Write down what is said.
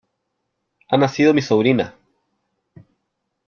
Ha nacido mi sobrina.